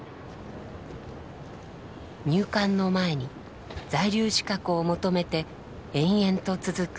入管の前に在留資格を求めて延々と続く外国人の列。